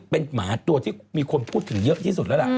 เป็นหมาตัวที่มีคนพูดถึงเยอะที่สุดแล้วล่ะ